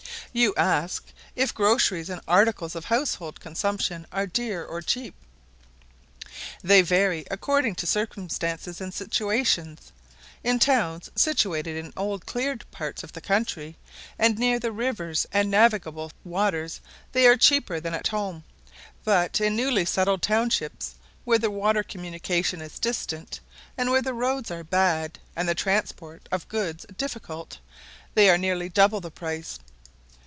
You ask, "If groceries and articles of household consumption are dear or cheap?" They vary according to circumstances and situation. In towns situated in old cleared parts of the country, and near the rivers and navigable waters, they are cheaper than at home; but in newly settled townships, where the water communication is distant, and where the roads are bad, and the transport of goods difficult, they are nearly double the price.